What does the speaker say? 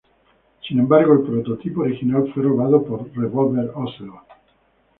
Sin embargo el prototipo original fue robado por Revolver Ocelot.